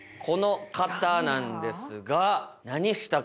この方なんですが。